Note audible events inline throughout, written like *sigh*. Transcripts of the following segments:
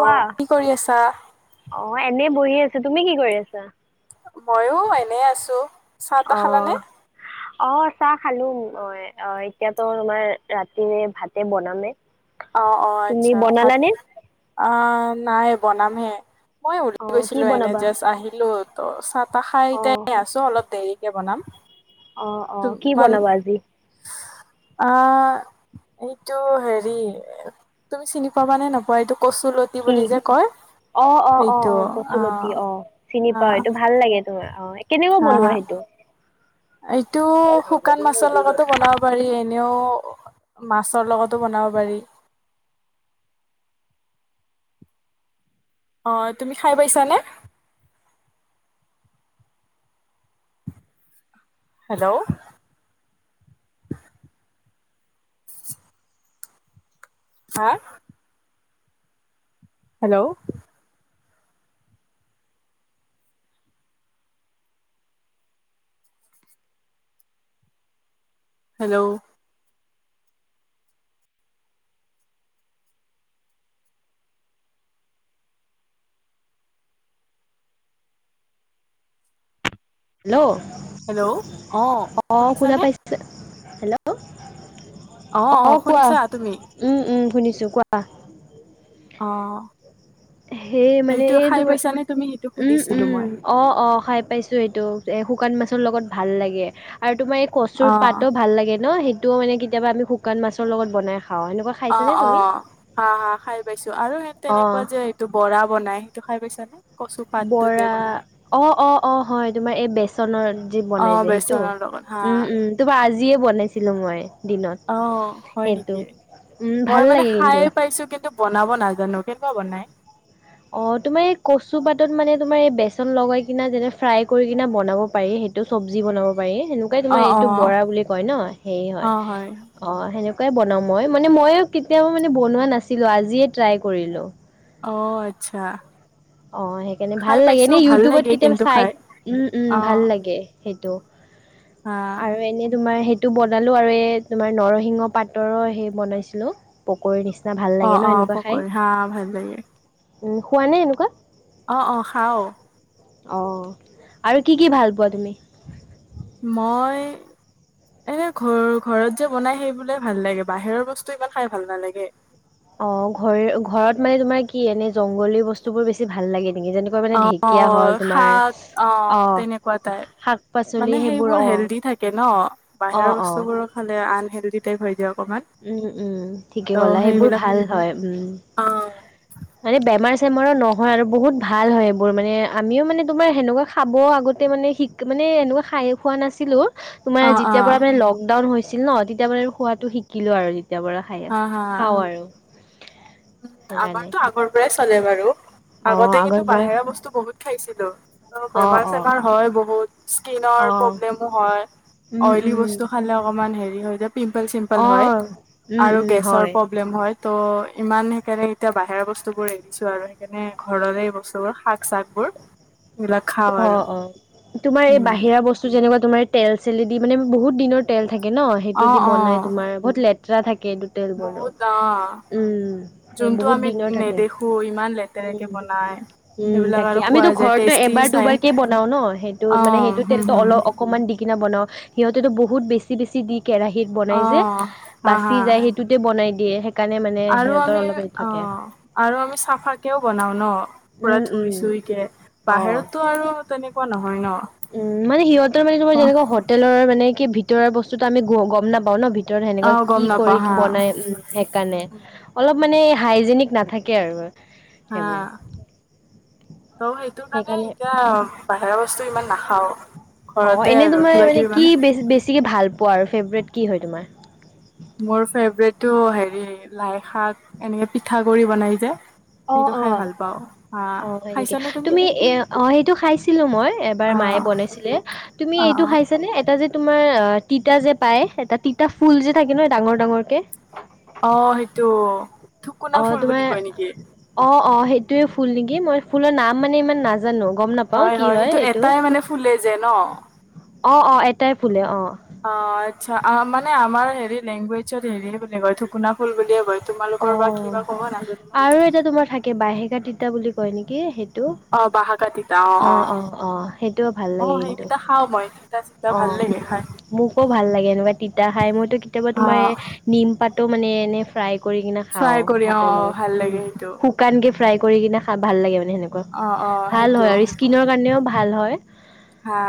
অ কি কৰি আছা? অ এনেই বহি আছো। তুমি কি কৰি আছা? ময়ো এনেই আছো। চাহ অ। তাহ খালানে অ চাহ খালো অ অ এতিয়াতো তোমাৰ ৰাতিৰে ভাতে বনামে। অ অ তুমি আচ্ছা ভাত বনালানে আহ নাই বনামহে। মই উলি অ কি গৈছিলো এনে বনাবা জাষ্ট আহিলো ত চাহ তাহ খাই অ এতিয়া আ আছো অলপ দেৰিকে বনাম। অ অ ত কি মানে বনাবা আজি আ এইটো হেৰি তুমি চিনি পাবা নে নাপোৱা এইটো কচুলতি কি বুলি যে কয়, অ অ অ অ কচুলতি অ চিনি অ পাও এইটো ভাল লাগে তোমাৰ অ। অ কেনেকৈ হা বনোৱা হা সেইটো? এইটো শুকান মাছৰ লগতো বনাওঁ, পাৰি এনেও মাছৰ লগতো বনাব পাৰি। অ তুমি খাই পাইছানে? হেল্ল'। হা! হেল্ল'। হেল্ল'। হেল্ল' হেল্ল' অ অঁ শুনা শুনিছানে পাইছে হেল্ল'। অ অ শুনিছা তুমি? উম উম শুনিছো কোৱা। অ সেই মানে সেইটো খাই পাইছানে তুমি সেইটো সুধিছিলো মই। অঁ অঁ খাই পাইছোঁ এইেটো শুকান মাছৰ লগত ভাল লাগে আৰু তোমাৰ এই কচুৰ অ পাতো ভাল লাগে ন সেইটোও মানে কেতিয়াবা আমি শুকান মাছৰ লগত বনাই খাওঁ। এনেকুৱা অ অ হা হা খাই পাইছো আৰু সে তেনেকুৱা অ', যে টো বৰা বনাই সেইটো খাই পাইছা নে? বৰা অ-অ-অ হয় তোমাৰ এই বেচনৰ যি অ বনাই যে সেইটো বেচনৰ লগত হা উম - উম তোপৰা আজিয়ে বনাইছিলো মই৷ দিনত অ হয় সেইটো। নেকি উম, মই ভাল মানে লাগে কিন্তু। খাইে পাইছো কিন্তু টো বনাব নাজানো। কেনেকুৱা বনাই? অ তোমাৰ এই কচু পাতত মানে তোমাৰ এই বেচন লগাই কিনা যেনে ফ্ৰাই কৰি কিনা বনাব পাৰি সেইটো। এইটো চব্জি বনাব পাৰি সেনেকোৱাই অ তোমাৰ অ এইটো বৰা বুলি কয় ন সেৰি হয়। অ সেনেকোৱাই বনাও মই মানে মই কেতিয়াবা মানে বনোৱা নাছিলো আজিয়ে ট্ৰাই কৰিলো। অ আচ্ছা অ সেইকাৰণে খাই ভাল লাগে পাইছো এনে ভাল ইউটিউবত লাগে কেতিয়াবা কিন্তু চাই খাই উম-উম অ ভাল লাগে সেইটো হা, আৰু এনেই তোমাৰ সেই টো বনালো আৰু এই তোমাৰ নৰসিংহ পাতৰো সেই বনাইছিলো৷ পকৰি নিচিনা ভাল লাগে অ', ন অ', এনেকুৱা খাই পকৰি হা ভাল লাগে। খোৱা নে এনেকুৱা? অ-অ খাও৷ অঁ আৰু কি-কি ভাল পোৱা তুমি? মই এনে ঘৰ-ঘৰত যে বনাই সেই বোলে ভাল লাগে বাহিৰৰ বস্তু ইমান খাই ভাল নালাগে৷ অ ঘৰ-ঘৰ ত মানে তোমাৰ কি এনে জংগলী বস্তু বোৰ বেছি ভাল লাগে নেকি যেনে অ শাক অ তেনেকুৱা শাক তাইপ পাচলি মানে সেইবোৰ অ হেল্ডি থাকে ন অ বাহিৰৰ অ। বস্তুবোৰক হ'লে আনহেলদি টাইপ হৈ য়ে অকণমান৷ উম-উম ঠিকে কলা সেইবোৰ ভাল হয় উম৷ অ', মানে বেমাৰ চেমাৰো নহয় আৰু বহুত ভাল হয় এইবোৰ মানে আমিও মানে তোমাৰ সেনেকুৱা খাব আগতে মানে শঠিক মানে এনেকুৱা খায়ে খোৱা নাছিলোঁ৷ তোমাৰ অ', যেতিয়া অ', পৰা মানে লকডাউন হৈছিল ন তেতিয়া মানে খোৱাতটো শিকিলো আৰু তেতিয়া পৰা৷ খাই হা, হা। খাওঁ আৰু। উম সেইকাৰণে আমাৰতো আগৰ পৰাই চলে বাৰু। আগতে অ' কিন্তু আগৰ পৰাই বাহিৰা বস্তু বহুত খাইছিলো। অঁ অ', বেমাৰ অ', চেমাৰ হয়, বহুত স্কিনৰ অ', প্ৰব্লেমো হয়। উম, অইলি উম, বস্তু খালে অকমান পিম্পল চিমল হয় অ', উম, আৰু উম, গেছৰ প্ৰব হয়। প্ৰব্লেম হয় ত ইমান সেইকাৰণে এতিয়া বাহিৰৰ বস্তু বোৰ এৰিছো আৰু সেইকাৰণে ঘৰৰে এই বস্তুবোৰ শাক চাক বোৰ *inaudible* অ-অ তোমাৰ এই উম, বাহিৰা বস্তু যেনেকুৱা তোমাৰ তেল চেলেদি মানে বহুত দিনত তেল থাকে ন সেইটো অ', দি বনাই অ', তোমাৰ বহুত লেতেৰা থাকেএইটোত৷ টেল গৰ বহুত অ', উম যোনটো বহুত আমি দিনৰ থাকে৷ নেদেখো ইমান লেতেৰাকে বনাই। উম সেইবিলাক তাকে আৰু খোৱা আমিতো যায় ঘৰতো টেষ্টি এবাৰ চাই। দুবাৰ কে বনাও ন সেইটো মানে অ', সেইটো হুম, তেলতটো হুম, অলপ অকণমান দি কিনে বনাওঁ সিহঁতেতো বহুত বেছি বেছি দি কেৰাহীত বনাই যে অ', হা, বাচি হা যায় সেইটোতে বনাই দিয়ে সেইকাৰণে মানে আৰু সিহঁতৰ আমি অলপ হেৰি অ থাকে আৰু আমি চাফাকেও বনাওঁ ন? পুৰা উম, উম, ধুই চুই কে অ'। বাহিৰতটো আৰু তেনেকুৱা নহয় ন। উম মানে সিহঁতৰ মানে তোমাৰ যেনেকা হোটেলৰ মানে কি ভিতৰুৱা বস্তুতটো আমি গম নাপাওঁ ন। ভিতৰত সেনেকুৱা অ', গম কি নাপাওঁ কৰি হা, বনাই উম। সেইকাৰণে অলপ মানে হাইজেনিক নাথাকে আৰু। হা সেইবোৰ ত সেইটো মানে সেইকাৰণে এতিয়া বাহিৰাৰ বস্তু ইমান নাখাওঁ। অঁ ঘৰতে এনে আৰু তোমাৰ কিবা মানে কিবি কি বে বেছিকে ভাল পোৱা আৰু ফেভৰেট কি হয় তোমাৰ? মোৰ ফেভৰেটটো হেৰি লাই শাক এনেকে পিঠা গুড়ি বনাই যে। সেইটো খাই ভাল পাওঁ। হা, অঁ হয় নেকি। খাইছানে তুমি এ অঁ সেইটো খাইছিলো মই এবাৰ মায়ে অ', বনাইছিলে। তুমি অ', এইটো অ'। খাইছানে এটা যে তোমাৰ অঁ তিতা যে পায়। এটা তিতা ফুল যে থাকে ন ডাঙৰ ডাঙৰ কে। অঁ সেইটো। থুকুনা অঁ ফুল বুলি তোমাৰ কয় নেকি? অঁ-অঁ সেইটোয়ে ফুল নেকি। মই ফুলৰ নাম মানে ইমান না নাজানো গম নাপাওঁ কি হয় সেইটো এটাই এইটো। মানে ফুলে যে ন? অঁ-অঁ এটাই ফুলে অঁ। অঁ আচ্ছা মানে আমাৰ হেৰি লেংগুৱেজত হেৰি বুলি কয় ঠুকুনা ফুল বুলিয়ে কয়। তোমালোকৰ বা অঁ কিবা ক'ব নাজানো ন আৰু এটা তোমাৰ থাকে বাহেকা তিতা বুলি কয় নেকি। টো অ বাহাকা তিতা অ অ অঁ-অঁ-অঁ সেইটোও ভাল লাগে কিন্তু। খাওঁ মই। চিতা ভাল অঁ লাগে খাই মোকো ভাল লাগে এনেকুৱা তিতা খাই। মইতো কেতিয়াবা অ তোমাৰ নিম পাতো মানে এনে ফ্ৰাই কৰি কিনে খাওঁ ফ্ৰাই কৰি অ ভাতৰ লগত ভাল উম। লাগে সেইটো শুক শুকানকে ফ্ৰাই কৰি কিনে খা ভাল লাগে মানে সেনেকুৱা। অ অ ভাল সেইটো হয় আৰু স্কিনৰ কাৰণেও ভাল হয়। হা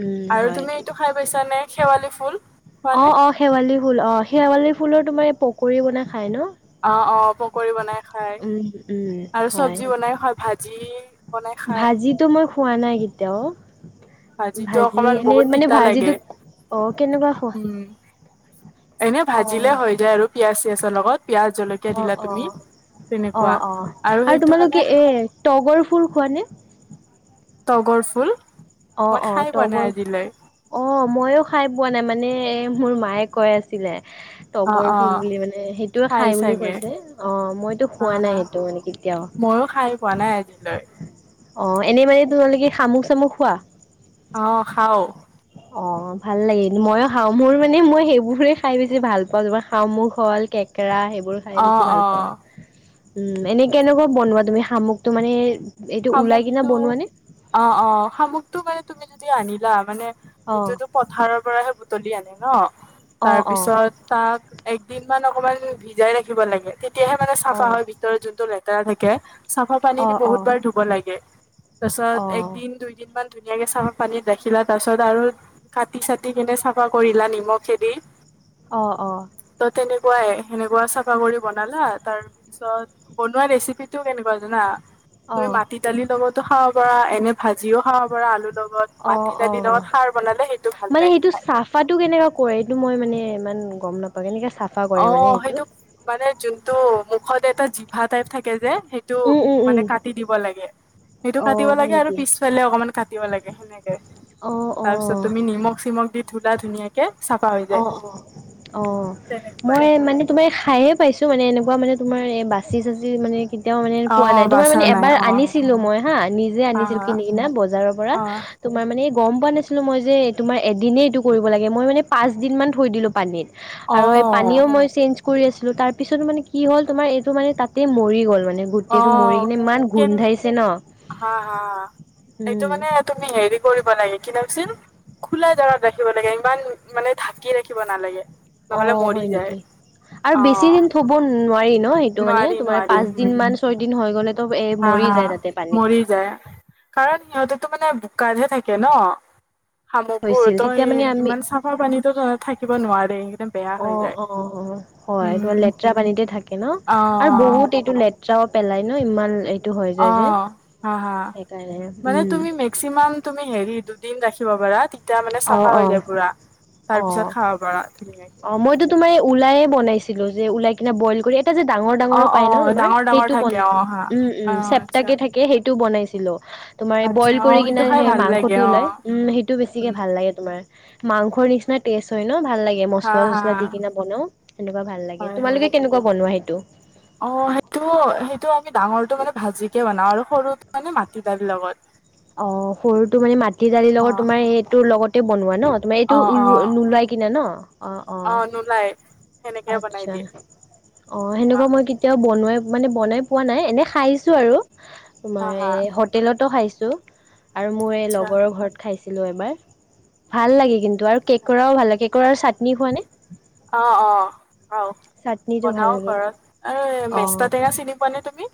উম আৰু তুমি হয় এইটো খাই পাইছানে শেৱালি ফুল? খোৱানে? অঁ-অঁ শেৱালি ফুল। অঁ শেৱালি ফুলৰ তোমাৰ এই পকৰী বনাই খায় ন? অঁ-অঁ পকৰী বনাই খাই উম উম আৰু চব্জি বনাই খাই। ভাজি বনাই খাই ভাজিতো মই খোৱা নাই কেতিয়াও। ভাজিটো ভাজি অকমান এনে বহুত মানে তিতা ভাজিটো লাগে অঁ কেনেকুৱা খোৱা। উম এনে অ ভাজিলে হৈ যায় আৰু পিয়াজ চিয়াজৰ লগত। পিয়াজ জলকীয়া অ দিলা অ তুমি অ তেনেকুৱা অ আৰু সেইটো তোমালোকে মানে এ তগৰ ফুল খোৱা নে? তগৰ ফুল মই খায় পোৱা নাই আজিলৈ। অঁ মইও খাই পোৱা নাই মানে মোৰ মায়ে কৈ আছিলে। অ তগৰ অ ফুল বুলি মানে সেইটোৱে খাই খায় বুলি চাগে কৈছে অঁ মইতো হা খোৱা নাই হা সেইটো মানে কেতিয়াও। ময়ো খাই পোৱা নাই আজিলৈ। অঁ এনেই মানে তোমালোকে শামুখ চামুক খোৱা। অ খাও অ ভাল লাগে মইয়ো খাও মোৰ মানে মই সেইবোৰে খাই বেছি ভাল পাওঁ যেনে শামুক হল কেক কেকৰা সেইবোৰ৷ খাই অ বেছি ভাল অ পাওঁ উম এনে কেনেকুৱা বনোৱা তুমি শামুকটো মানে এইটো ওলাই কিনে শামুকটো বনোৱা নে? অ-অ শামুকটো মানে তুমি যদি আনিলা মানে অ', এইটো পথাৰৰ পৰাহে বুটলি আনে ন তাৰ অ', অ', পিছত তাক একদিন মান অকমান ভিজাই ৰাখিব লাগে। তেতিয়াহে মানে চাফা অ', হয়। ত যোনটো লেতেৰা থাকে চাফা পানী দি অ', অ', বহুত অ', বাৰ ধুব লাগে। তাৰপিছত অ', একদিন দুইদিনমান ধুনীয়াকে চাফাৰ পানীত ৰাখিলা। তাৰ পাছত আৰু কাটি চাটি কেনে চাফা কৰিলা নিমখ দি। অঁ-অঁ। ত তেনেকুৱাই। সেনেকুৱা চাফা কৰি বনালা তাৰ তাৰপিছত বনোৱা ৰেচিপি টো কেনেকুৱা জানা? তুমি অ', মাটিদালি লগতো খাব পাৰা, এনে ভাজিও খাব পাৰা আলু লগত অ', মাটিদালিৰ অ'। লগত খাৰ বনালে সেইটো ভাল মানে লাগে সেইটো খাই৷ চাফাটো কেনেকা কৰে এইটো মই মানে ইমান গম নাপাওঁ এনেকে চাফ অ সেইটো মানে যোনটো মুখত এটা জিভা টাইপ থাকে যে সেই টো উম, উম, উম, মানে কাটি দিব লাগে৷ সেইটো কাটিব অ', হয় লাগে আৰু নেকি? পিছফালে অকনমান কাটিব লাগে সেনেকে৷ অ', তাৰপিছত অ', তুমি নিমখ চিমখ দি ধোলা ধুনীয়াকে৷ সেনেকে চাফা হৈ অ-অ-অ তেনে মই মানে তোমাৰ খায়ে পাইছো মানে এনেকুৱা মানে তোমাৰ এই বাচি চাচি মানে কেতিয়াও মানে অ পোৱা নাই তোমাৰ বাচা মানে নাই এবাৰ অ আনিছিলো মই হা নিজে হা আনিছিলো হা কিনি কেনে বজাৰৰ পৰা অ তোমাৰ মানে গম পোৱা নাছিলোঁ মই যে তোমাৰ এদিনেই এইটো কৰিব লাগে মই মানে পাঁচদিনমান থৈ দিলোঁ পানীত৷ আৰু এই অ', পানীও মই চেঞ্জ কৰি আছিলো তাৰ পিছতো মানে কি হ'ল তোমাৰ এইটো মানে তাতেই মৰি গ'ল মানে গোটেইটো মৰি অ', কিনে ইমান কেন গোন্ধাইছে ন হা হা এইটো মানে উম তুমি হেৰি কৰিব লাগে কি নাম আছিল খোলা জাগাত ৰাখিব লাগে ইমান মানে ঢাকি ৰাখিব নালাগে৷ অ নহ'লে মৰি হয় যায় নেকি আৰু বেছি অ', দিন থব নোৱাৰি ন সেইটো মানে নোৱাৰি তোমাৰ নোৱাৰি পাঁচ দিন উম, মান ছয় দিন হৈ গ'লে হা হা মৰি যায় কাৰণ সিহঁতেতো মানে বোকাতহে থাকে ন শামুকবোৰ হৈছিল তই তেতিয়া মানে আমি ইমান চাফা পানীতো থাকিব নোৱাৰে সেইকাৰণে বেয়া হৈ যায় অ অ হয় উম, তোমাৰ লেতেৰা পানীতে থাকে ন অ', আৰু অ', বহুত এইটো লেতেৰাও পেলাই ন ইমান এ টো হৈ যায় যে অ', হা হা সেইকাৰণে মানে উম তুমি মেক্সিমাম তুমি হেৰি দুদিন ৰাখিব পাৰা তে তিয়া মানে অ চাফা অ হৈ যায় পুৰা অ তাৰ পিছত খাব পাৰা ধুনীয়াকে অ মইতো তোমাৰ এই ওলাইয়ে বনাইছিলো যে ওলাই কিনে বইল কৰি এ যে ডাঙৰ ডাঙৰ অ', পাই ন অ', তোমাৰ ডাঙৰ ডাঙৰ সেইটো থাকে বনাইছো অ', হা উম উম অ', আচ্ছা। চেপটাকে থাকে সেইটোও বনাইছিলো তোমাৰ এই আচ্ছা বইল অ', কৰি সেইটো কিনে খাই সেই ভাল লাগে মাংসটো ওলাই অ', উম সেইটো বেছি উম, ভাল লাগে তোমাৰ মাংসৰ নিচিনাই টেষ্ট হৈ ন ভাল লা গে হা মচলা হা চচলা দি কিনা বনাও সেনেকুৱা ভাল লাগে হয় হয়। তোমালোকে কেনেকুৱা বনোৱা সেইটো অ সেইটো সেইটো আমি ডাঙৰটো মানে ভাজিকে বনাও আৰু সৰু মানে মাটি দালিৰ লগত অ সৰুটো মানে মাটি দালিৰ লগত অ', তোমাৰ এইটোৰ লগতে বনোৱা ন তোমাৰ অ', অ', এইটোও নোলোৱাই কিনে ন অ নোলাই সেনেকে বনাই আচ্ছা দিয়ে। অ হা সেনেকুৱা মই কি তিয়াও বনোৱাই মানে বনাই পোৱা নাই এনেই খাইছোঁ আৰু হা তোমাৰ হা এ হোত টেলতো খাইছোঁ আৰু মোৰ এই আচ্ছা লগৰৰ ঘৰত খাইছিলোঁ এবাৰ ভাল লাগে কিন টো আৰু কেকৰাও ভাল লাগে কেকোঁৰাৰ চাটনি খোৱা নে? অ অ খাও চাটনিটো ভাল বনাও লাগে ঘৰত এই মেষ্টা অ', টেঙা চিনি পোৱা নে তুমি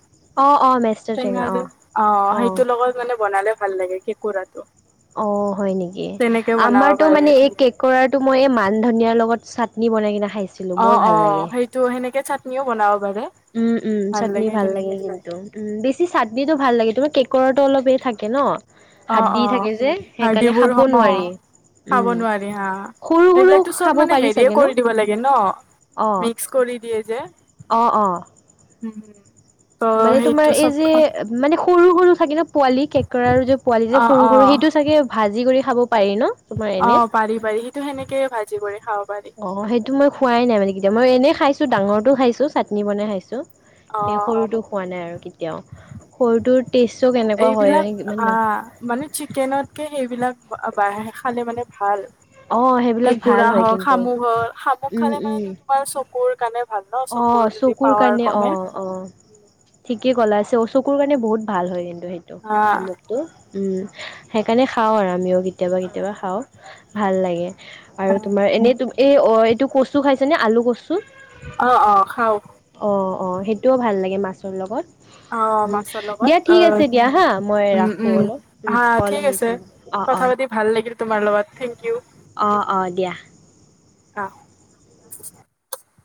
অ', অ', মেষ্টাৰ টেঙা যে অ সেইটোৰ লগত মানে বনালে ভাল লাগে কেকোৰাটো অ হয় নেকি আমাৰত পাৰে মানে এই কেক ধুনীয়াকে কোৰাটো মই এই মান ধনিয়াৰ লগত চাটনি বনাই কিনে খাই অ অ সেইটো সেনেকে চাটনিও বনাব পাৰে উম উম চাটনি ভাল লাগে কিন্তু উম বেছি চাটনিটো ভাল লাগে তোমাৰ কেকোঁৰাটো অলপ এই থাকে ন অ হাতড়ি অ থাকে যে সেইকাৰণে হাৰ্ডিবোৰ খাব অ নোৱাৰি খাব উম নোৱাৰি হা সৰু সৰু সেইবিলাকতো চব খাব মানে পাৰি হেৰিয়ে চাগে ন কৰি দিব লাগে ন অ মিক্স কৰি দিয়ে যে অ অ উম ত' মানে তোমাৰ সেইটো এই চব যে খাম মানে সৰু সৰু থাকে ন পোৱালি কেঁকোৰা যে পোৱালি যে অ সৰু অ সৰু সেইটো চাগে ভাজি কৰি খাব পাৰি ন? তোমাৰ অ এনে পাৰি পাৰি সিটো সেনেকেয়ে ভাজি কৰি খাব পাৰি। অ সেইটো মই খোৱাই নাই মানে কেতিয়াও মই এনেই খাইছো ডাঙৰটো খাইছো চাটনি বনাই খাইছো সেই অ সৰুটো খোৱা নাই আৰু কেতিয়াও সৰুটোৰ টেষ্টো কেনেকুৱা হয় মানে ন আ মানে চিকেনতকে সেইবিলাক বাহ খালে মানে ভাল অ', সেইবিলাক ভাল কেকুৰা হয় হওক কিন্তু শামুক হওক শামুক উম, খালে মানে উম। তোমাৰ চকুৰ কণে অ চকুৰ কাৰণে অ অ ঠিকেই ক'লা আছে অ চকুৰ কাৰণে বহুত ভাল হয় কিন্তু সেইটো হা সামোক তো সেইকাৰণে খাওঁ আৰু আমিও কেতিয়াবা কেতিয়াবা খাওঁ ভাল লাগে। আৰু তোমাৰ এনেই ত এই এইটো কচু খাইছে নে আলু কচু। অ অ খাও। অ অ সেইটোও ভাল লাগে মাছৰ লগত অ উম মাছৰ লগত দিয়া অ ঠিক আছে দিয়া হা মই উম ৰাখো উম অলপ উম হা কল ঠিক আছে আহিছে মো অ অ কথা পাতি ভাল লাগিল তোমাৰ লগত থেংক কিউ অ অ দিয়া। অ।